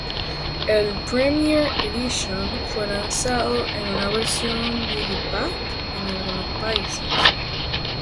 El "Premiere Edition" fue lanzado en una versión digipack en algunos países.